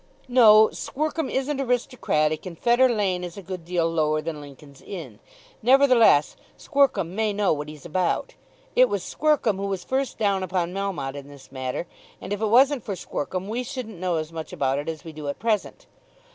"No; Squercum isn't aristocratic, and Fetter Lane is a good deal lower than Lincoln's Inn. Nevertheless Squercum may know what he's about. It was Squercum who was first down upon Melmotte in this matter, and if it wasn't for Squercum we shouldn't know as much about it as we do at present."